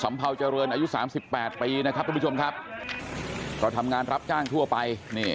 สำพาวเจอร์รอายุ๓๘ปีเขาทำงานรับก้างทั่วไป